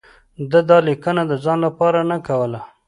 ده دا لیکنه د ځان لپاره نه کوله.